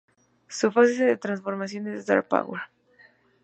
Su frase de transformación es Dark Power!